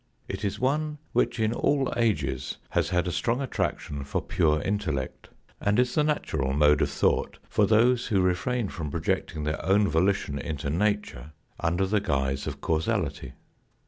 It is one which in all ages has had a strong attraction for pure intellect, and is the natural mode of thought for those who refrain from projecting their own volition into nature under the guise of causality.